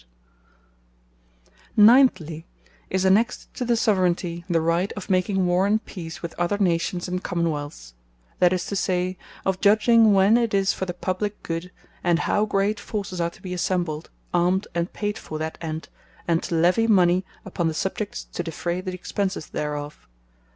9. And Of Making War, And Peace, As He Shall Think Best: Ninthly, is annexed to the Soveraignty, the Right of making Warre, and Peace with other Nations, and Common wealths; that is to say, of Judging when it is for the publique good, and how great forces are to be assembled, armed, and payd for that end; and to levy mony upon the Subjects, to defray the expenses thereof.